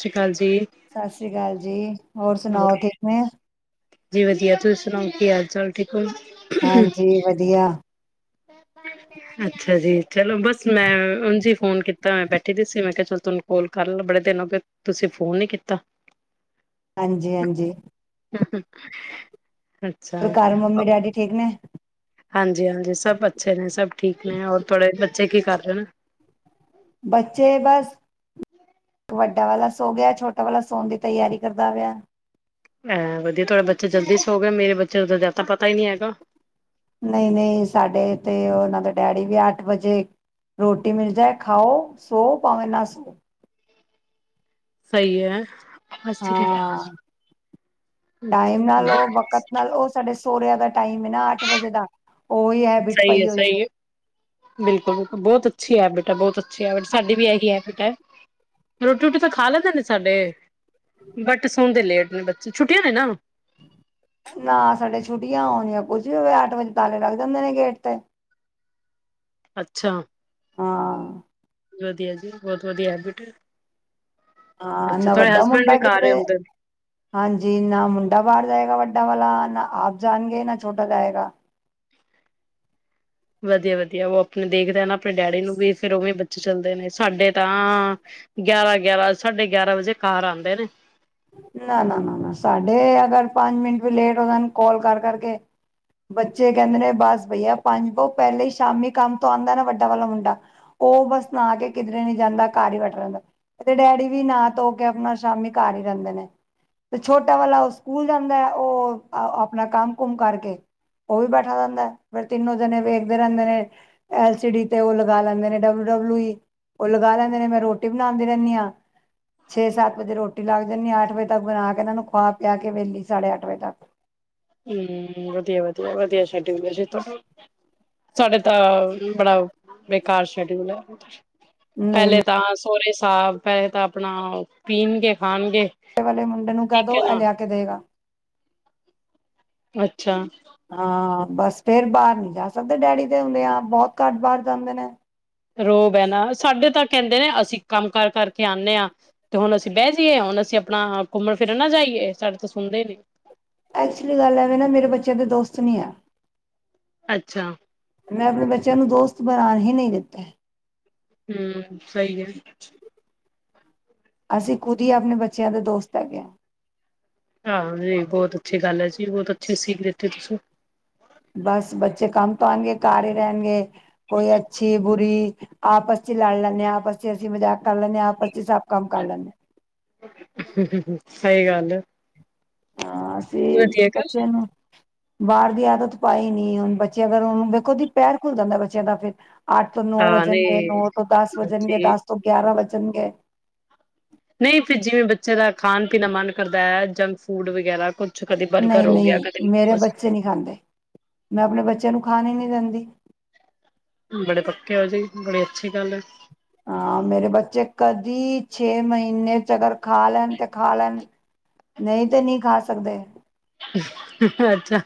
ਸਤਿ ਸ੍ਰੀ ਅਕਾਲ ਜੀ। ਸਤਿ ਸ੍ਰੀ ਅਕਾਲ ਜੀ ਹੋਰ ਸੁਣਾਓ ਠੀਕ ਨੇ? ਜੀ ਵਧੀਆ ਤੁਸੀਂ ਸੁਣਾਓ ਕੀ ਹਾਲ ਚਾਲ ਠੀਕ। ਹੋ? ਹਾਂਜੀ ਵਧੀਆ। ਅੱਛਾ ਜੀ ਚਲੋ ਬਸ ਮੈਂ ਉਝ ਫੋਨ ਕੀਤਾ ਮੈਂ ਬੈਠੀ ਦੀ ਸੀ ਮੈਂ ਕਿਹਾ ਚਲੋ ਤੁਹਾਨੂੰ ਕੌਲ ਕਰ ਲਾ ਬੜੇ ਦਿਨ ਹੋਗੇ ਤੁਸੀਂ ਫੋਨ ਨੀ ਕੀਤਾ। ਹਾਂਜੀ ਹਾਂਜੀ ਹੂੰ ਹੂੰ। ਅੱਛਾ ਹੋਰ ਘਰ ਮੰਮੀ ਡੈਡੀ ਠੀਕ ਨੇ ਹਾਂਜੀ ਹਾਂਜੀ ਸਭ। ਸਭ ਠੀਕ ਨੇ ਔਰ ਥੋੜੇ ਬੱਚੇ ਕੀ ਕਰ ਰਹੇ ਨੇ? ਇੱਕ ਵੱਡਾ ਵਾਲਾ ਸੋ ਗਿਆ ਛੋਟਾ ਵਾਲਾ ਸੋਣ ਦੀ ਤਿਆਰੀ ਕਰਦਾ ਪਿਆ। ਐਂ ਵਧੀਆ, ਤੁਹਾਡਾ ਬੱਚਾ ਜਲਦੀ ਸੋ ਗਿਆ, ਮੇਰੇ ਬੱਚੇ ਨੂੰ ਤਾਂ ਜ਼ਿਆਦਾ ਪਤਾ ਹੀ ਨਹੀਂ ਹੈਗਾ। ਨਹੀਂ ਨਹੀਂ, ਸਾਡੇ ਤੇ ਉਹਨਾਂ ਦੇ ਡੈਡੀ ਵੀ ਅੱਠ ਵਜੇ ਰੋਟੀ ਮਿਲ ਜਾਏ, ਖਾਉ, ਸੋ ਭਾਵੇਂ ਨਾ ਸੋ। ਸਹੀ ਏ। ਹਾਂ, ਟਾਈਮ ਨਾਲ ਉਹ ਵਕਤ ਨਾਲ ਉਹ ਸਾਡੇ [unintelligible] ਦਾ, ਟਾਈਮ ਨਾ ਅੱਠ ਵਜੇ ਦਾ, ਉਹੀ ਹੈਬਿਟ ਹੈ ਪਈ ਹੋਈ ਸਹੀ ਏ। ਹੈ। ਬਿਲਕੁਲ-ਬਿਲਕੁਲ ਬਹੁਤ ਅੱਛੀ ਬੇਟਾ ਬਹੁਤ ਅੱਛੀ ਆ ਬੇਟਾ, ਸਾਡੀ ਵੀ ਇਹੀ ਆ ਬੇਟਾ, ਰੋਟੀ ਰੁਟੀ ਤਾਂ ਖਾ ਲੈਂਦੇ ਨੇ ਸਾਡੇ ਬਟ ਸੌਂਦੇ ਲੇਟ ਆਪਣੇ ਬੱਚੇ ਛੁੱਟੀਆਂ ਨੇ ਨਾ ਨਾ ਸਾਡੇ ਛੁੱਟੀਆਂ ਹੋਣੀਆਂ, ਕੁੱਝ ਵੀ ਹੋਵੇ, ਅੱਠ ਵਜੇ ਤਾਲੇ ਲਗ ਜਾਂਦੇ ਨੇ ਗੇਟ ਤੇ। ਅੱਛਾ। ਹਾਂ। ਵਧੀਆ ਜੀ, ਬਹੁਤ ਵਧੀਆ ਬੇਟਾ ਹਾਂ ਨਾ ਵੱਡਾ ਮੁੰਡਾ ਘਰ ਹੀ ਕਿਧਰੇ, ਹੁੰਦੇ ਨੇ। ਹਾਂਜੀ ਨਾ ਮੁੰਡਾ ਬਾਹਰ ਜਾਏਗਾ ਵੱਡਾ ਵੱਡੇ ਵਾਲਾ ਨਾ ਆਪ ਜਾਣਗੇ, ਨਾ ਛੋਟਾ ਜਾਏਗਾ। ਵਧੀਆ-ਵਧੀਆ, ਉਹ ਆਪਣੇ ਦੇਖਦੇ ਨਾ ਆਪਣੇ ਡੈਡੀ ਨੂੰ ਵੀ, ਫੇਰ ਉਵੇਂ ਬੱਚੇ ਚੱਲਦੇ ਨੇ, ਸਾਡੇ ਤਾਂ ਗਿਆਰਾਂ-ਗਿਆਰਾਂ ਸਾਢੇ ਗਿਆਰਾਂ ਵਜੇ ਘਰ ਆਦੇ ਨੇ। ਨਾ-ਨਾ-ਨਾ-ਨਾ, ਸਾਡੇ ਅਗਰ ਪੰਜ ਮਿੰਟ ਵੀ ਲੇਟ ਹੋ ਜਾਣ ਕੋਲ ਕਰ ਕਰਕੇ, ਬੱਚੇ ਕਹਿੰਦੇ ਨੇ ਬਸ ਬਈਆ, ਪੰਜ ਉਹ ਪਹਿਲੇ ਹੀ ਸ਼ਾਮੀ ਕੰਮ ਤੋਂ ਆਦਾ ਨਾ ਵੱਡਾ ਵਾਲਾ ਮੁੰਡਾ, ਉਹ ਬਸ ਨਹਾ ਕੇ ਕਿਧਰੇ ਨੀ ਜਾਂਦਾ, ਘਰ ਹੀ ਬੈਠਾ ਰਹਿੰਦਾ ਤੇ ਡੈਡੀ ਵੀ ਨਾ ਧੋ ਕੇ ਆਪਣਾ ਸ਼ਾਮੀ ਘਰ ਹੀ ਤੇ ਛੋਟਾ ਵਾਲਾ ਉਹ ਸਕੂਲ ਜਾਂਦਾ ਏ, ਉਹ ਆਪਣਾ ਕੰਮ ਕੁਮ ਕਰਕੇ ਉਹ ਵੀ ਬੈਠਾ ਰਹਿੰਦਾ, ਫੇਰ ਤਿੰਨੋ ਜਣੇ ਵੇਖਦੇ ਰਹਿੰਦੇ ਨੇ, ਐਲ ਸੀ ਡੀ ਤੇ ਉਹ ਲਗਾ ਲੈਂਦੇ ਨੇ, ਡਬਲਊ-ਡਬਲਊ ਈ ਉਹ ਲਗਾ ਲੈਂਦੇ ਨੇ, ਮੈਂ ਰੋਟੀ ਬਣਾਦੀ ਰਹਿੰਦੀ ਆ, ਛੇ ਸੱਤ ਵਜੇ ਰੋਟੀ ਲਾ ਲਗਾ ਦਿਨੀ, ਅੱਠ ਵਜੇ ਤੱਕ ਬਣਾ ਕੇ ਇਹਨਾਂ ਨੂੰ ਖੁਆ ਪਿਆ ਕੇ ਵਿਹਲੀ, ਸਾਢੇ ਅੱਠ ਵਜੇ ਤੱਕ। ਹੂੰ, ਵਧੀਆ-ਵਧੀਆ, ਵਧੀਆ ਸ਼ਡਿਊਲ ਐ, ਸਾਡੇ ਤਾਂ ਬੜਾ ਬੇਕਾਰ ਸ਼ਡਿਊਲ ਆ। ਨਹੀਂ ਪਹਿਲੇ ਨਹੀਂ ਤਾਂ ਸਹੁਰੇ ਸਾਬ ਪਹਿਲੇ ਤਾਂ ਆਪਣਾ ਪੀਣਗੇ, ਖਾਣਗੇ ਵੱਡੇ ਵਾਲੇ ਮੁੰਡੇ ਨੂੰ ਕਹਿ ਠੀਕ ਦੋ, ਹੈ ਇਹ ਨਾ ਲਿਆ ਕੇ ਦੇਵੇਗਾ। ਅੱਛਾ। ਹਾਂ। ਬਸ ਫੇਰ ਬਾਹਰ ਨੀ ਜਾ ਸਕਦੇ, ਡੈਡੀ ਦੇ ਹੁੰਦਿਆਂ, ਬਹੁਤ ਘੱਟ ਬਾਹਰ ਜਾਂਦੇ ਨੇ। ਰੋ ਬਹਿਣਾ ਸਾਡੇ ਤਾਂ ਕਹਿੰਦੇ ਨੇ, ਅਸੀਂ ਕੰਮ ਕਾਰ ਕਰਕੇ ਆਦੇ ਹਾਂ, ਤੇ ਹੁਣ ਅਸੀਂ ਬਹਿ ਜਾਈਏ, ਹੁਣ ਅਸੀਂ ਆਪਣਾ ਘੁੰਮਣ ਫਿਰਨ ਨਾ ਜਾਈਏ, ਸਾਡੇ ਤਾਂ ਸੁਣਦੇ ਹੀ ਨੀ। ਐਕਚੁਲੀ ਗੱਲ ਐਵੇਂ ਨਾ ਮੇਰੇ ਬੱਚਿਆਂ ਦੇ ਦੋਸਤ ਨਹੀਂ ਐ। ਅੱਛਾ। ਮੈਂ ਆਪਣੇ ਬੱਚਿਆਂ ਨੂੰ ਦੋਸਤ ਬਣਾਣ ਹੀ ਨਹੀਂ ਦਿੱਤੇ। ਹੂੰ, ਸਹੀ ਏ। ਅਸੀਂ ਖੁਦ ਹੀ ਆਪਣੇ ਬੱਚਿਆਂ ਦੇ ਦੋਸਤ ਹੈਗੇ ਆ। ਹਾਂ, ਜੀ ਬਹੁਤ ਅੱਛੀ ਗੱਲ ਹੈ ਜੀ, ਬਹੁਤ ਅੱਛੇ ਸੀਖ ਦਿੱਤੀ ਤੁਸੀਂ। ਬਸ ਬੱਚੇ ਕੰਮ ਤੋਂ ਆਣਗੇ, ਘਰ ਹੀ ਰਹਿਣਗੇ। ਕੋਈ ਅੱਛੀ, ਬੁਰੀ ਆਪਸ ਚ ਲੜ ਲੈਣੇ ਆ, ਆਪਸ ਚ ਅਸੀਂ ਮਜ਼ਾਕ ਕਰ ਲੈਣੇ ਆ, ਆਪਸ ਚ ਸਭ ਕੰਮ ਕਰ ਲੈਣੇ ਆ। ਸਹੀ ਗੱਲ ਆ। [unintelligible] ਹਾਂ, ਅਸੀਂ ਬੱਚੇ ਨੂੰ ਬਾਹਰ ਦੀ ਆਦਤ ਪਾਈ ਨੀ, ਹੁਣ ਬੱਚੇ ਅਗਰ ਵੇਖੋ ਪੈਰ ਖੁੱਲ ਜਾਂਦਾ, ਬੱਚਿਆਂ ਦਾ ਫਿਰ। ਅੱਠ ਤੋਂ ਨੌ ਹਾਂ ਵਜਣਗੇ ਨਹੀਂ ਨੌ ਤੋਂ ਦਸ ਵਜਣਗੇ ਹਾਂਜੀ ਦਸ ਤੋਂ ਗਿਆਰਾਂ ਵਜਣਗੇ। ਨਹੀਂ ਫੇਰ ਜਿਵੇਂ ਬੱਚੇ ਦਾ ਖਾਣ ਪੀਣ ਦਾ ਮਨ ਕਰਦਾ ਹੈ ਜੰਕ ਫੂਡ ਵਗੈਰਾ ਕੁ ਨਹੀਂ ਨਹੀਂ ਮੇਰੇ ਬੱਚੇ ਨਹੀਂ ਖਾਂਦੇ ਮੈਂ ਆਪਣੇ ਬੱਚਿਆਂ ਨੂੰ ਖਾਣ ਨਹੀਂ ਦਿੰਦੀ ਹ [unintelligible] ਬੜੇ ਪੱਕੇ ਹੋ ਜੀ ਬੜੀ ਅੱਛੀ ਗੱਲ ਹੈ ਹਾਂ ਮੇਰੇ ਬੱਚੇ ਕਰ ਦੀ ਛੇ ਮਹੀਨੇ ਚ ਅਗਰ ਖਾ ਲੈਣ ਤੇ ਖਾ ਲੈਣ ਨਹੀਂ ਤੇ ਨਹੀਂ ਖਾ ਸਕਦੇ ਅੱਛਾ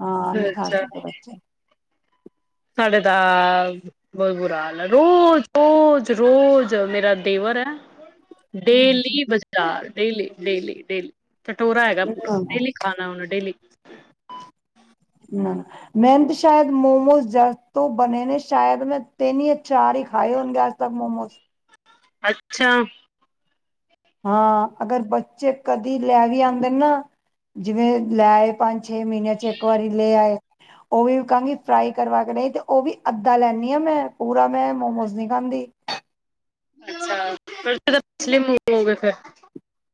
ਹਾਂ ਨਹੀਂ ਖਾ ਸਕਦੇ ਬੱਚੇ [inaudible] ਸਾਡੇ ਦਾ ਬਹੁਤ ਬੁਰਾ ਹਾਲ ਹੈ ਰੋਜ਼ ਰੋਜ਼ ਰੋਜ਼ ਮੇਰਾ ਦੇਵਰ ਹੈ ਨਾ ਹਾਂਜੀ ਡੇਲੀ ਬਾਜ਼ਾਰ ਡੇਲੀ ਡੇਲੀ ਡੇਲੀ ਚਟੋਰਾ ਹੈਗਾ ਨਾ ਪੂਰਾ ਡੇਲੀ ਖਾਣਾ ਉਹਨੇ ਡੇਲੀ ਮੈਂਨ ਤਾਂ ਸ਼ਾਇਦ ਮੋਮੋਜ਼ ਜਦ ਤੋਂ ਬਣੇ ਨੇ ਸ਼ਾਇਦ ਮੈਂ ਤਿੰਨ ਯਾ ਚਾਰ ਹੀ ਖਾਏ ਹੋਣਗੇ ਮੋਮੋਜ਼ [unintelligible] ਅੱਛਾ ਹਾਂ ਅਗਰ ਬੱਚੇ ਕਦੀ ਲੈ ਵੀ ਆਉਂਦੇ ਨਾ ਜਿਵੇਂ ਲੈ ਆਏ ਪੰਜ ਛੇ ਮਹੀਨਿਆਂ ਚ ਇੱਕ ਵਾਰੀ ਲੈ ਆਏ ਉਹ ਵੀ ਕਹਾਂਗੀ ਫਰਾਈ ਕਰਵਾ ਕੇ ਲਈ ਤੇ ਉਹ ਵੀ ਅੱਧਾ ਲੈਦੀ ਹਾਂ ਮੈਂ ਪੂਰਾ ਮੈਂ ਮੋਮੋਸ ਨਹੀਂ ਖਾਂਦੀ ਅੱਛਾ ਫਲੇਮ ਹੋਗੇਏ ਫੇਰ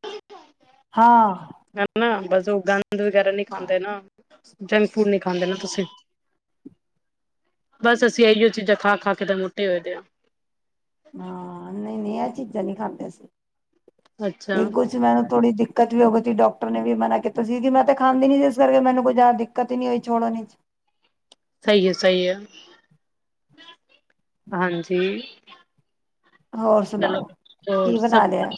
[unintelligible] ਹਾਂ ਹੈ ਨਾ ਬਸ ਸਾਂ [unintelligible] ਵਗੈਰਾ ਨੀ ਹਾਂ ਖਾਂਦੇ ਨਾ ਜ [unintelligible] ਫੂਡ ਨੀ ਖਾਂਦੇ ਨਾ ਤੁਸੀਂ ਬਸ ਅਸੀਂ ਇਹੀਓ ਚੀਜ਼ਾਂ ਖਾ ਖਾ ਕੇ ਤਾਂ ਮੋਟੇ ਹੋਏ ਦੇ ਹਾਂ ਨਹੀ ਨਹੀਂ ਚੀਜ਼ਾਂ ਨਹੀਂ ਖਾਂਦੇ ਅਸੀਂ ਇਹ ਅੱਛਾ ਕੁਛ ਮੈ ਥੋੜੀ ਦਿੱਕਤ ਵੀ ਹੋ ਗਈ ਸੀ ਡਾਕਟਰ ਨੇ ਵੀ ਮਨਾ ਕੀਤਾ ਸੀ ਕਿ ਮੈਂ ਤੇ ਖਾਂਦੀ ਨੀ ਸੀ ਜਿਸ ਕਰਕੇ ਮੈਨੂੰ ਕੋਈ ਜ਼ਿਆਦਾ ਦਿੱਕਤ ਹੀ ਨਹੀਂ ਹੋਈ ਛੋੜਨ ਵਿਚ ਸਹੀ ਹੈ ਸਹੀ ਹੈ ਹਾਂਜੀ ਹੋਰ ਚਲੋ ਸੁਣਾਓ ਹੋਰ ਕੀ ਸਭ ਬਣਾ ਲਿਆ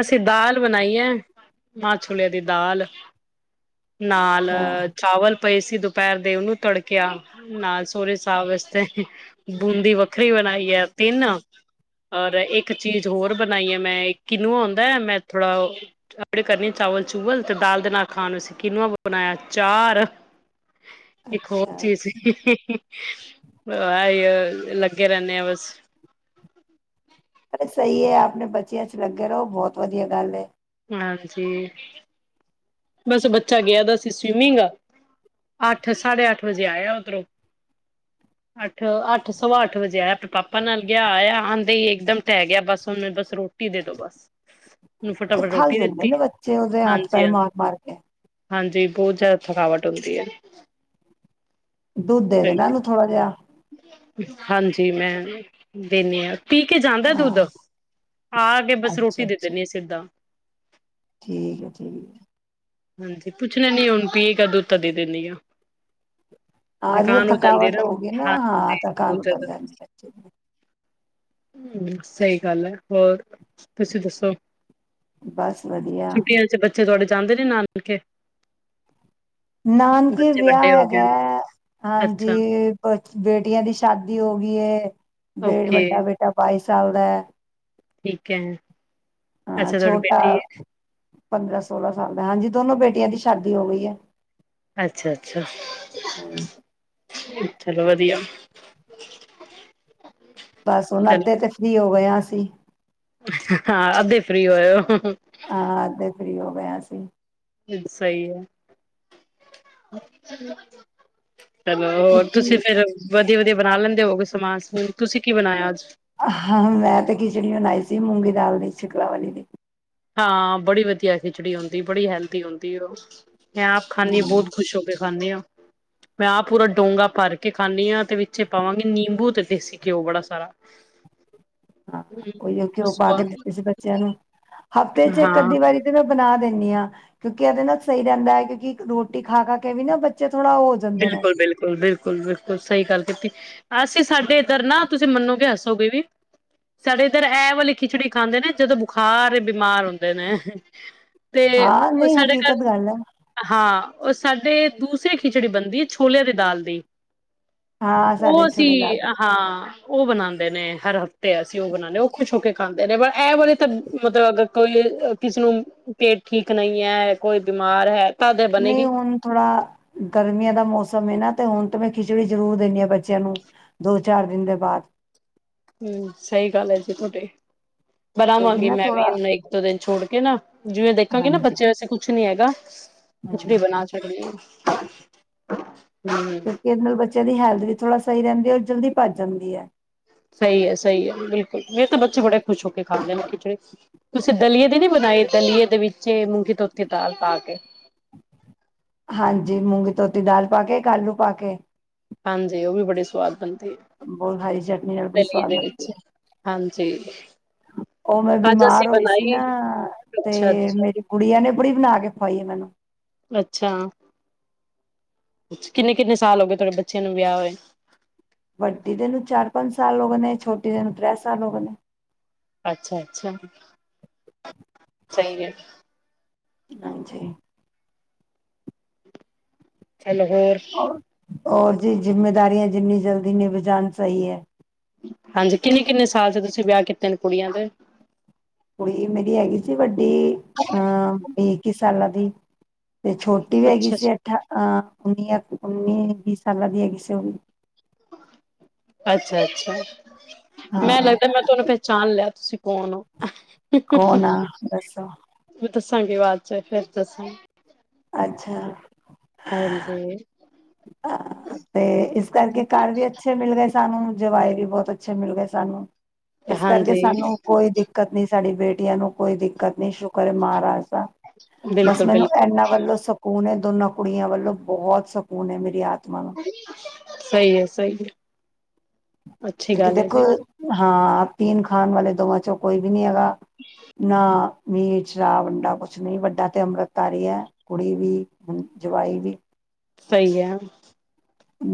ਅਸੀਂ ਦਾਲ ਬਣਾਈ ਹੈ ਮਾਹ ਛੋਲਿਆਂ ਦੀ ਦਾਲ ਨਾਲ ਅੱਛਾ ਚਾਵਲ ਪਏ ਸੀ ਦੁਪਹਿਰ ਦੇ ਉਹਨੂੰ ਤੜਕਿਆ ਨਾ ਸਹੁਰੇ ਸਾਬ ਵਾਸਤੇ ਬੂੰਦੀ ਵੱਖਰੀ ਬਣਾਈ ਹੈ ਤਿੰਨ ਔਰ ਇੱਕ ਚੀਜ਼ ਹੋਰ ਬਣਾਈ ਹੈ ਮੈਂ [unintelligible] ਕਿਨੂ ਆਉਦਾ ਹੈ ਮੈਂ ਥੋੜਾ ਅਪਣੇ ਕੜ੍ਹੀ ਚਾਵਲ ਤੇ ਦਾਲ ਦੇ ਨਾਲ ਖਾਣ ਵਾਸਤੇ ਕਿਨੂਆ ਬਣਾਇਆ ਚਾਰ ਇੱਕ ਹੋਰ ਅੱਛਾ ਚੀਜ਼ ਸੀ। ਆ ਲੱਗੇ ਰਹਿੰਣੇ ਆ ਬਸ। ਸਹੀ ਹੈ ਆਪਣੇ ਬੱਚਿਆਂ 'ਚ ਲੱਗੇ ਰਹੋ, ਬਹੁਤ ਵਧੀਆ ਗੱਲ ਹੈ। ਹਾਂਜੀ। ਬਸ ਬੱਚਾ ਗਿਆ ਦਾ ਸੀ ਸਵੀਮਿੰਗ, ਅੱਠ ਸਾਢੇ ਅੱਠ ਵਜੇ ਆਇਆ ਉਧਰੋਂ, ਅੱਠ-ਅੱਠ ਸਵਾ ਅੱਠ ਵਜੇ ਆਇਆ ਪਾਪਾ ਨਾਲ ਗਿਆ ਆਇਆ ਆਦੇ ਹੀ ਇੱਕਦਮ ਠਹਿ ਗਿਆ ਬਸ ਉਹਨੂੰ ਬਸ ਰੋਟੀ ਦੇ ਦੋ ਬਸ। ਉਹਨੂੰ ਉਹ ਫਟਾਫਟ ਥੱਲ ਰੋਟੀ ਦਿੰਦੇ ਦਿੱਤੀ ਨੇ ਬੱਚੇ ਉਹਦੇ ਹੱਥ ਹਾਂਜੀ ਪੈਰ ਹਾਂ ਮਾਰ-ਮਾਰ, ਕਿਆ। ਹਾਂਜੀ ਬਹੁਤ ਜ਼ਿਆਦਾ ਥਕਾਵਟ ਹੁੰਦੀ ਹੈ। ਦੁੱਧ ਦੇ ਦੋ ਨਾਂ ਇਹਨੂੰ ਥੋੜ੍ਹਾ ਜਿਹਾ। ਹਾਂਜੀ ਮੈਂ ਦਿੰਨੀ ਹਾਂ। ਪੀ ਕੇ ਜਾਂਦਾ ਦੁੱਧ, ਹਾਂ ਆ ਕੇ ਬਸ ਅੱਛਾ ਰੋਟੀ ਦੇ ਅੱਛਾ ਦਿੰਣੀ ਆ ਸਿੱਧਾਂ। ਠੀਕ ਹੈ ਠੀਕ। ਹਾਂਜੀ ਪੁੱਛਣਾ ਨੀ ਹੁਣ ਪੀ ਕਦੋਂ ਤਦ ਦੇ ਦਿਨੀਂ ਆ। ਐਵੇ ਥਕਾਨ ਹੋ ਜਾਂਦੀ ਥਕਾਵਟ ਹੋਗੀ। ਨਾ ਹਾਂ ਆ ਹਾਂਜੀ ਤਾਂ ਬਹੁਤ ਥਕਾਵਟ ਹੋ ਜ਼ਿਆਦਾ ਜਾਂਦੀ ਏ। ਸਹੀ ਗੱਲ ਹੈ ਹੋਰ। ਤੁਸੀਂ ਦੱਸੋ? ਦੀ ਬਸ ਵਧੀਆ ਛੁਟੀਆਂ 'ਚ ਬੱਚੇ ਤੁਹਾਡੇ ਜਾਂਦੇ ਨੇ ਨਾਨਕੇ। ਨਾਨਕੇ ਬੱਚੇ ਵਿਆਹ ਵੱਡੇ ਹੋ ਗਏ ਹੈਗਾ ਨੇ। ਅੱਛਾ ਹਾਂਜੀ। ਬੇਟੀਆਂ ਦੀ ਸ਼ਾਦੀ ਹੋ ਗਈ ਏ। ਬੇੜ ਓਕੇ ਵੱਡਾ ਬੇਟਾ ਪਾਏਸ ਚੱਲਦਾ। ਠੀਕ ਹੈ। ਹਾਂ ਅੱਛਾ ਤੁਹਾਡੀ ਛੋਟਾ। ਬੇਟੀ ਪੰਦਰਾਂ, ਸੋਲਾਂ ਸਾਲ ਦਾ, ਹਾਂਜੀ ਦੋਨੋ ਬੇਟੀਆਂ ਦੀ ਸ਼ਾਦੀ ਹੋ ਗਈ ਹੈ। ਅੱਛਾ-ਅੱਛਾ। ਚਲੋ ਵਧੀਆ। ਬਸ ਹੁਣ ਅੱਧੇ ਚਲੋ ਤੇ ਫ੍ਰੀ ਹੋ ਗਏ ਆਂ। ਸੀ। ਹਾਂ ਅੱਧੇ ਫ੍ਰੀ ਹੋਏ ਓ। ਹਾਂ ਅਤੇ ਫ਼੍ਰੀ ਉਹ। ਹੋਇਆ ਸੀ। ਸਹੀ ਹੈ। ਚਲੋ ਹੋਰ ਤੁਸੀਂ ਕਿਉਂਕਿ ਫੇਰ ਵਧੀ ਜੇ ਵਧੀਆਂ ਬਣਾ ਲੈਂਦੇ ਹੋਗੇ ਸਮਾਨ ਸਮੁਨ, ਤੁਸੀਂ ਕੀ ਬਣਾਇਆ ਅੱਜ? ਹਾਂ ਨਹੀਂ ਸ਼ਕਲਾ ਵਾਲੀ ਨੇ ਹਾਂ ਬੜੀ ਵਧੀਆ ਖਿਚੜੀ ਹੁੰਦੀ, ਬੜੀ ਹੈਲਦੀ ਹੁੰਦੀ, ਉਹ ਮੈਂ ਆਪ ਖਾਨੀ ਹਾਂ ਬਹੁਤ ਖੁਸ਼ ਹੋ ਕੇ ਖਾਂਦੇ ਆ, ਮੈਂ ਆਹ ਪੂਰਾ ਡੋਂਗਾ ਭਰ ਕੇ ਖਾਂਦੀ ਹਾਂ, ਤੇ ਵਿੱਚੇ ਪਾਵਾਂਗੀ ਨਿੰਬੂ ਤੇ ਦੇਸੀ ਘਿਓ ਬੜਾ ਸਾਰਾ ਹਾਂ ਹਮ, ਉਹੀ ਘਿਓ ਉਸ ਪਾ ਤੋਂ ਕੇ ਬਾਅਦ ਦਿੱਤੇ ਸੀ ਬੱਚਿਆਂ ਨੂੰ ਹਫ਼ਤੇ ਚ ਇੱਕ ਹਾਂ ਅੱਧੀ ਵਾਰੀ ਤੇ ਮੈਂ ਬਣਾ ਦਿੰਦੇ ਹਾਂ, ਕਿਉਂਕਿ ਇਹਦੇ ਨਾਲ ਸਹੀ ਰਹਿੰਦਾ ਹੈ, ਕਿਉਂਕਿ ਰੋਟੀ ਖਾ-ਖਾ ਕੇ ਵੀ ਨਾ ਬੱਚੇ ਥੋੜਾ ਉਹ ਹੋ ਜਾਂਦੇ ਨੇ। ਬਿਲਕੁਲ-ਬਿਲਕੁਲ-ਬਿਲਕੁਲ-ਬਿਲਕੁਲ ਸਹੀ ਗੱਲ ਕੀਤੀ ਅਸੀਂ ਸਾਡੇ ਇੱਧਰ ਨਾ ਤੁਸੀਂ ਮੰਨੋਗੇ ਹੱਸੋਗੇ ਵੀ ਸਾਡੇ ਇੱਧਰ ਇਹ ਵਾਲੀ ਖਿਚੜੀ ਖਾਂਦੇ, ਨੇ ਜਦੋਂ ਬੁਖਾਰ ਬਿਮਾਰ ਹੁੰਦੇ ਨੇ। ਤੇ ਹਾਂ ਨਹੀਂ ਸਾਡੇ ਹਕੀਕਤ ਘਰ ਗੱਲ ਹੈ ਹਾਂ ਉਹ ਸਾਡੇ ਦੂਸਰੇ ਖਿੱਚ ਜਿਹੜੀ ਬਣਦੀ ਹੈ ਛੋਲਿਆਂ ਦੇ ਦਾਲ ਦੀ ਹਾਂ ਉਹ ਸਾਡੇ ਅਸੀ ਛੋਲੇ ਦਾਲ ਦੇ ਹਾਂ ਉਹ ਬਣਾਦੇ ਨੇ ਹਰ ਹਫ਼ਤੇ, ਅਸੀਂ ਉਹ ਬਣਾਨੇ ਉਹ ਖੁਸ਼ ਹੋ ਕੇ ਖਾਂਦੇ, ਨੇ ਪਰ ਇਹ ਵਾਲਾ ਤਾਂ ਮਤਲਬ ਅ ਕੋਈ ਕਿਸੇ ਨੂੰ ਪੇਟ ਠੀਕ ਨਹੀਂ ਹੈ, ਕੋਈ ਬਿਮਾਰ ਹੈ ਤਦ ਨਹੀਂ ਬਣੇਗੀ ਹੁਣ ਥੋੜਾ ਗਰਮੀਆਂ, ਦਾ ਮੌਸਮ ਹੈ, ਨਾ ਤੇ ਹੁਣ ਤਾਂ ਮੈਂ ਖਿਚੜੀ ਜ਼ਰੂਰ ਦਿੰਦੀ ਹਾਂ, ਬੱਚਿਆਂ ਨੂੰ ਦੋ ਚਾਰ ਦਿਨ ਦੇ ਬਾਅਦ ਹੂੰ, ਸਹੀ ਗੱਲ ਐ ਜੀ ਸੋਡੀ, ਕਿਉਂਕਿ ਬਣਾਵਾਂਗੀ ਨਾ ਮੈਂ ਵੀ ਥੋੜਾ ਹੁਣ ਇੱਕ ਦੋ ਦਿਨ ਛੋਟ ਕੇ ਕੇ ਨਾ ਜਿਵੇਂ ਦੇਖਾਂਗੇ ਨਾ ਹਾਂਜੀ ਬੱਚੇ, ਵੈਸੇ ਕੁਛ ਨੀ ਹੈਗਾ ਹਾਂ ਖਿਚੜੀ ਬਣਾ ਸਕਦੇ ਆ। [unintelligible] ਕਿਉਂਕਿ ਇਹਦੇ ਨਾਲ ਬੱਚਿਆਂ ਦੀ ਹੈਲਥ ਥੋੜ੍ਹਾ ਸਹੀ ਰਹਿੰਦੀ, ਉਹ ਜਲਦੀ ਭੱਜ ਜਾਂਦੀ ਹੈ। ਸਹੀ ਹੈ ਸਹੀ ਹੈ ਬਿਲਕੁਲ ਮੇਰੇ ਤਾਂ ਬੱਚੇ ਬੜੇ ਖੁਸ਼ ਹੋ ਕੇ ਖਾਂਦੇ, ਨੇ ਖਿਚੜੀ ਤੁਸੀਂ ਦਲੀਏ ਦੀ ਨੀ ਬਣਾਈ, ਦਲੀਏ ਦੇ ਵਿੱਚ ਮੂੰਗੀ ਧੋਤੀ ਦਾਲ ਪਾ ਕੇ ਹਾਂਜੀ ਮੂੰਗੀ ਧੋਤੀ ਦਾਲ ਪਾ ਕੇ ਆਲੂ ਪਾ ਕੇ ਹਾਂਜੀ, ਉਹ ਵੀ ਬੜੇ ਸਵਾਦ ਬਣਦੀ, ਹੈ ਬਹੁਤ ਹਰੀ ਚਟਨੀ ਨਾਲ ਬੜੀ ਦਲੀਏ ਸਵਾਦ ਦੇ ਲੱਗਦੀ ਵਿੱਚ ਆ, ਹਾਂਜੀ ਉਹ ਮੈਂ ਅੱਜ ਅਸੀਂ ਬਿਮਾਰ ਹੋਈ ਸੀ ਬਣਾਈ ਨਾ ਤੇ ਅੱਛਾ ਅੱਛਾ ਮੇਰੀ ਕੁੜੀਆਂ ਨੇ, ਕੜੀ ਬਣਾ ਕੇ ਖਵਾਈਏ ਮੈਨੂੰ, ਅੱਛਾ। ਕਿੰਨੇ-ਕਿੰਨੇ ਸਾਲ ਹੋ ਗਏ ਤੁਹਾਡੇ ਬੱਚਿਆਂ ਨੂੰ ਵਿਆਹ ਹੋਏ? ਵੱਡੀ ਦੇ ਨੂੰ ਚਾਰ ਪੰਜ ਸਾਲ ਹੋ ਗਏ, ਨੇ ਛੋਟੀ ਦੇ ਨੂੰ ਤ੍ਰੈ ਸਾਲ ਹੋ ਗਏ ਨੇ। ਅੱਛਾ-ਅੱਛਾ। ਸਹੀ। ਹਾਂ ਜੀ, ਸਨਗਰ ਔਰ ਜੀ ਜ਼ਿੰਮੇਦਾਰੀਆਂ ਜਿੰਨੀ ਜਲਦੀ ਨਿਭ ਜਾਣ ਸਹੀ ਆ। ਹਾਂਜੀ ਕਿੰਨੇ ਕਿੰਨੇ ਸਾਲ ਚ ਤੁਸੀਂ ਵਿਆਹ ਕੀਤੇ ਨੇ ਕੁੜੀਆਂ ਦੇ? ਕੁੜੀ ਮੇਰੀ ਹੈਗੀ ਸੀ ਵੱਡੀ ਅਹ ਵੀਹ ਇੱਕੀ। ਸਾਲਾ ਦੀ। ਤੇ ਛੋਟੀ ਵੀ ਹੈਗੀ ਅੱਛਾ ਸੀ ਅੱਛਾ ਅੱਠਾਰਾ ਅਹ। ਉਨੀਆ ਉਨੀ ਵੀਹ ਸਾਲਾ ਦੀ ਹੈਗੀ ਸੀ ਉਹ ਵੀ। ਅੱਛਾ ਅੱਛਾ। ਮੈਂ ਹਾਂ ਲੱਗਦਾ ਮੈਂ ਤੁਹਾਨੂੰ ਪਹਿਚਾਣ ਲਿਆ? ਸਿਕੋਣੋ। ਕੌਣ ਆ ਦੱਸੋ? ਦੱਸਾਂਗੇ ਬਾਅਦ ਚ ਫੇਰ ਦੱਸਾਂਗੇ? ਅੱਛਾ। ਹਾਂਜੀ। ਹਾਂ ਤੇ ਇਸ ਕਰਕੇ ਘਰ ਵੀ ਅੱਛੇ ਮਿਲ ਰਹੇ ਸੀ। ਸਾਨੂੰ ਜਵਾਏ ਵੀ ਬਹੁਤ ਅੱਛੇ ਮਿਲ ਗਏ ਸਾਨੂੰ। ਇਸ ਕਰਕੇ ਹਾਂਜੀ ਸਾਨੂੰ ਕੋਈ ਦਿੱਕਤ ਨੀ ਸਾਡੀ ਬੇਟੀ। ਬੇਟੀਆਂ ਨੂੰ ਕੋਈ ਦਿੱਕਤ? ਨਹੀਂ ਸ਼ੁਕਰ ਏ ਮਹਾਰਾਜ ਦਾ ਬਸ ਬਿਲਕੁਲ ਮੈਨੂੰ ਬਿਲਕੁਲ ਇਹਨਾ ਵੱਲੋਂ ਸਕੂਨ। ਦੋਨਾਂ ਕੁੜੀਆਂ ਵੱਲੋਂ ਬਹੁਤ। ਉਹਨੇ ਮੇਰੀ ਯਾਦ। ਸਹੀ ਹੈ ਸਹੀ ਹੈ। ਅੱਛੀ ਕਿਉਂਕਿ ਗੱਲ ਹੈ ਦੇਖੋ ਜੀ ਹਾਂ ਤੀਨ ਖਾਨ ਵਾਲੇ ਦੋਵਾਂ ਚੌ। ਕੋਈ ਵੀ ਨੀ ਹੈਗਾ। ਹੈਗਾ ਨਾ। ਮੀਟ, ਸ਼ਰਾਬ, ਅੰਡਾ ਕੁਛ ਨਹੀਂ ਵੱਡਾ ਤੇ ਅੰਮ੍ਰਿਤ। ਧਾਰੀ ਹੈ ਕੁੜੀ ਵੀ। ਹੂੰ ਜਵਾਈ ਵੀ। ਸਹੀ ਹੈ।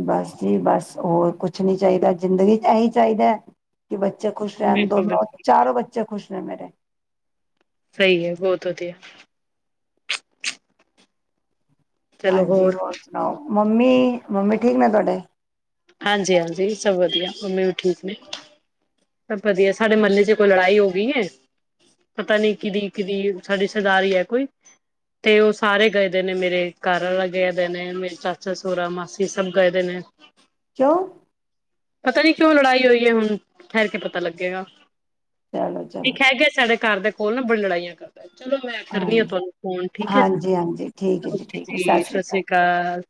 ਬਸ ਜੀ ਬਸ ਹੋਰ ਕੁਛ ਨਹੀਂ ਚਾਹੀਦਾ ਜ਼ਿੰਦਗੀ ਚ ਇਹੀ ਚਾਹੀਦਾ ਹੈ। ਕਿ ਬੱਚੇ ਖੁਸ਼ ਰਹਿਣ ਬਿਲਕੁਲ ਦੋਨੋਂ ਬਿਲਕੁਲ ਚਾਰੋ ਬੱਚੇ ਖੁਸ਼? ਨੇ ਮੇਰੇ। ਸਹੀ ਹੈ ਬਹੁਤ ਵਧੀਆ। ਹਾਂਜੀ ਹੋਰ ਸੁਣਾਓ? ਮੰਮੀ ਮੰਮੀ ਠੀਕ ਨੇ ਤੁਹਾਡੇ? ਹਾਂਜੀ ਹਾਂਜੀ ਸਭ ਵਧੀਆ। ਮੰਮੀ ਵੀ ਠੀਕ ਨੇ ਸਭ ਵਧੀਆ ਸਾਡੇ ਮੁੱਹਲੇ ਚ ਕੋਈ ਲੜਾਈ ਹੋ ਗਈ ਹੈ ਪਤਾ ਨੀ ਕਿਹਦੀ ਕਿਹਦੀ ਸਾਡੀ ਸਰਦਾਰੀ ਹੈ ਕੋਈ ਤੇ ਉਹ ਸਾਰੇ ਗਏ ਦੇ ਨੇ ਮੇਰੇ ਘਰਵਾਲਾ ਗਏਦੇ ਨੇ ਮੇਰੇ ਚਾਚਾ ਸੁਹਰਾ ਮਾਸੀ ਸਭ ਗਏਦੇ ਨੇ। [unintelligible] ਪਤਾ ਨਹੀਂ ਕਿਉਂ ਲੜਾਈ ਹੋਈ ਹ ਪਤਾ ਲੱਗਿ ਚਲੋ ਚਲੋ ਘਰ ਦੇ ਕੋਲ ਲੜਾਈਆਂ ਕਰਦਾ ਚਲੋ ਮੈਂ ਕਰਨੀ ਆ ਹਾਂਜੀ ਤੁਹਾਨੂੰ ਫੋਨ ਠੀਕ ਹਾਂਜੀ ਹਾਂਜੀ ਠੀਕ ਹੈ ਹ-ਓਕੇ ਠੀਕ ਹੈ ਜੀ ਸਤਿ ਸ਼੍ਰੀ ਅਕਾਲ